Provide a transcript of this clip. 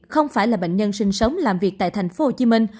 không phải là bệnh nhân sinh sống làm việc tại tp hcm